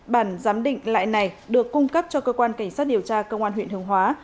bản giám định lại này được cung cấp cho cơ quan cảnh sát điều tra công an huyện hương hóa